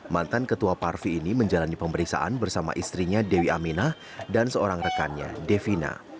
mantan ketua parvi ini menjalani pemeriksaan bersama istrinya dewi aminah dan seorang rekannya devina